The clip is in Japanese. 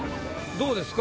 どうですか？